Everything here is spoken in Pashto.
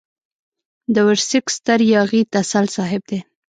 د ورسک ستر ياغي تسل صاحب دی.